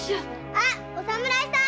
あっお侍さん！